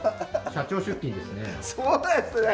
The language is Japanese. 社長出勤ですね。